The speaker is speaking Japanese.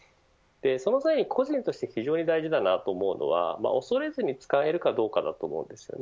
その際、個人として非常に大事なのは恐れずに使えるかどうかだと思います。